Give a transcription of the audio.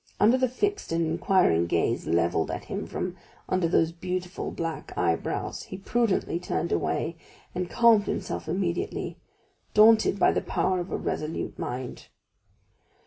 Under the fixed and inquiring gaze levelled at him from under those beautiful black eyebrows, he prudently turned away, and calmed himself immediately, daunted by the power of a resolute mind.